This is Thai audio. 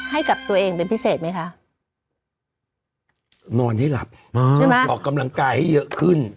ให้กับตัวเองเป็นพิเศษไหมคะนอนให้หลับใช่ไหมออกกำลังกายให้เยอะขึ้น